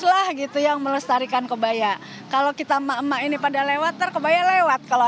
lah gitu yang melestarikan kebaya kalau kita emak emak ini pada lewat terkebaya lewat kalau